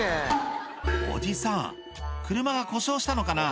おじさん車が故障したのかな？